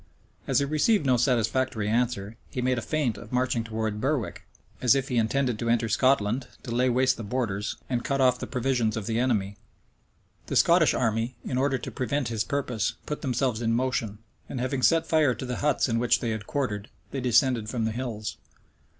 As he received no satisfactory answer, he made a feint of marching towards Berwick; as if he intended to enter Scotland, to lay waste the borders, and cut off the provisions of the enemy. The Scottish army, in order to prevent his purpose, put themselves in motion; and having set fire to the huts in which they had quartered, they descended from the hills.